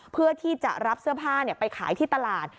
เพื่อที่จะรับเสื้อผ้าไปขายที่ตลาด